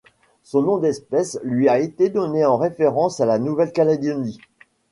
Son nom d'espèce lui a été donné en référence à la Nouvelle-Calédonie.